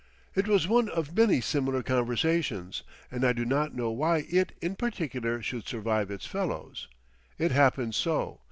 It was one of many similar conversations, and I do not know why it in particular should survive its fellows. It happens so.